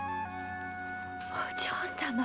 お嬢様。